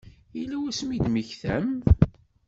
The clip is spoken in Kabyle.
Yella wasmi i d-temmektam?